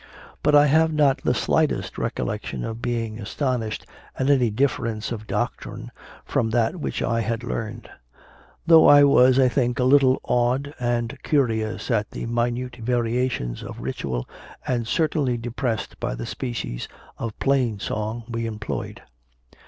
But I have not the slightest recollec tion of being astonished at any difference of doctrine from that which I had learned; though I was, I think, a little awed and curious at the minute varia tions of ritual, and certainly depressed by the species of plain song we employed.